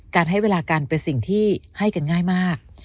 ให้เวลากันเป็นสิ่งที่ให้กันง่ายมาก